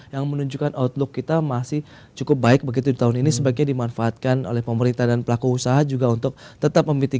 yang menunjukkan outlook kita masih cukup baik begitu di tahun ini sebaiknya dimanfaatkan oleh pemerintah dan pelaku usaha juga untuk tetap memiliki